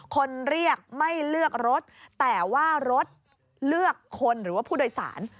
คนเรียกไม่เลือกรถแต่ว่ารถเลือกคนหรือว่าผู้โดยสาร